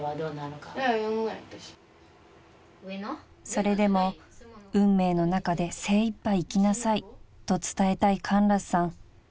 ［それでも運命の中で精いっぱい生きなさいと伝えたいカンラスさん］